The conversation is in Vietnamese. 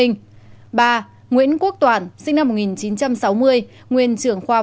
ba nguyễn quốc toản sinh năm một nghìn chín trăm sáu mươi nguyên trưởng khoa pháp